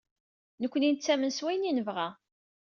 Nekni nettamen s wayen i nebɣa.